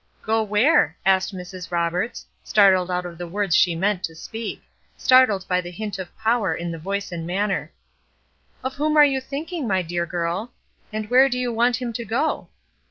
"Go where?" asked Mrs. Roberts, startled out of the words she meant to speak; startled by the hint of power in the voice and manner. "Of whom are you thinking, my dear girl? and where do you want him to go?"